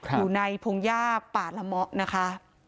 อยู่ในพงหญ้าป่าลมะนะคะ